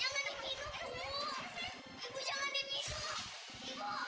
jangan diminum bu jangan diminum itu